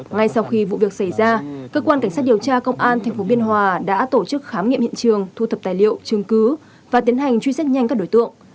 ngay sau khi vụ việc xảy ra cơ quan cảnh sát điều tra công an tp biên hòa đã tổ chức khám nghiệm hiện trường thu thập tài liệu chứng cứ và tiến hành truy xét nhanh các đối tượng